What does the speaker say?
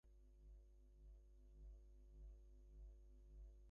The division failed to meet its objective in the incident.